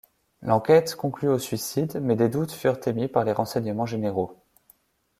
L'enquête conclut au suicide mais des doutes furent émis par les Renseignements généraux.